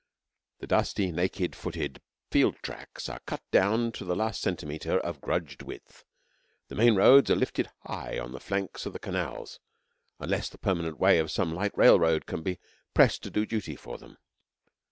The dusty, naked footed field tracks are cut down to the last centimetre of grudged width; the main roads are lifted high on the flanks of the canals, unless the permanent way of some light railroad can be pressed to do duty for them.